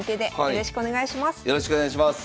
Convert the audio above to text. よろしくお願いします。